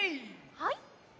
はい！